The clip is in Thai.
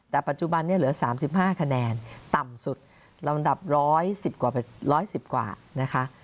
แต่ปัจจุบันนี้เหลือ๓๕คะแนนต่ำสุดลำดับ๑๑๐๑๑๐กว่านะคะ